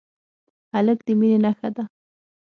هلک د مینې نښه ده.